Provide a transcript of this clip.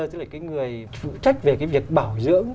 tức là cái người phụ trách về cái việc bảo dưỡng